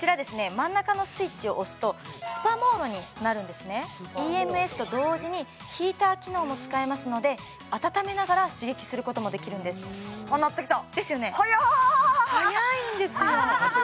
真ん中のスイッチを押すとスパモードになるんですねＥＭＳと同時にヒーター機能も使えますので温めながら刺激することもできるんですですよね早いんですよ